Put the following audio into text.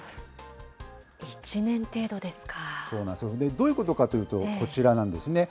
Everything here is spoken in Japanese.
どういうことかというとこちらなんですね。